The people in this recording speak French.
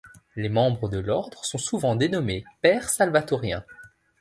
Les membres de l'Ordre sont souvent dénommés pères salvatoriens.